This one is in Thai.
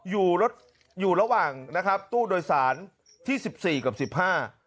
อยู่รถอยู่ระหว่างนะครับตู้โดยสารที่สิบสี่กับสิบห้า